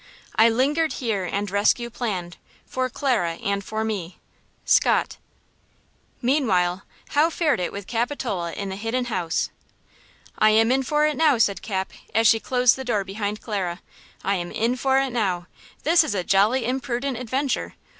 I lingered here and rescue planned For Clara and for me. –SCOTT. MEANWHILE how fared it with Capitola in the Hidden House? "I am in for it now!" said Cap, as she closed the door behind Clara; "I am in for it now! This is a jolly imprudent adventure!